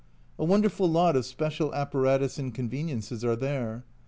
A wonderful lot of special apparatus and conveniences are there.